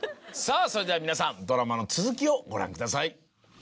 さぁそれでは皆さんドラマの続きをご覧ください。